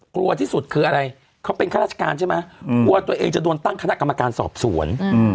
กลัวที่สุดคืออะไรเขาเป็นข้าราชการใช่ไหมกลัวตัวเองจะโดนตั้งคณะกรรมการสอบสวน